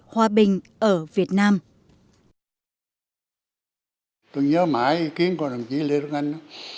tôi nhớ mãi ý kiến của đồng chí lê đức anh